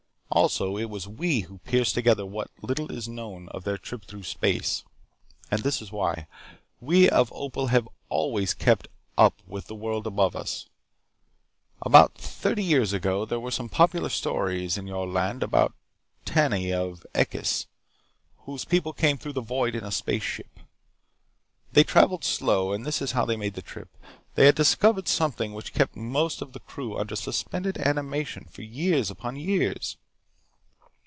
Also, it was we who pieced together what little is known of their trip through space. And this is why: "We of Opal have always kept up with the world above us. About thirty years ago there were some popular stories in your land about Tani of Ekkis[Footnote: Amazing Stories, c. 1929.] whose people came through the void in a spaceship. They traveled slow, and this is how they made the trip. They had discovered something which kept most of the crew under suspended animation for years upon years.